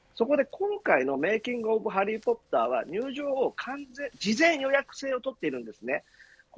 そこで今回のメイキング・オブ・ハリー・ポッターは入場は事前予約制をとっています。